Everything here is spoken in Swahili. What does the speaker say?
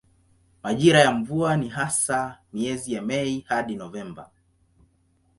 Majira ya mvua ni hasa miezi ya Mei hadi Novemba.